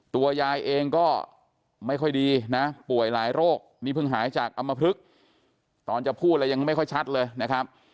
ตัวยายเองก็ไม่ค่อยดีนะป่วยหลายโรคนี่เพิ่งหายจากอำมพลึกตอนจะพูดอะไรยังไม่ค่อยชัดเลยนะครับ